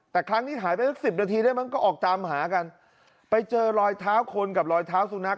แต่ครั้งนี้หายไปสักสิบนาทีได้มั้งก็ออกตามหากันไปเจอรอยเท้าคนกับรอยเท้าสุนัข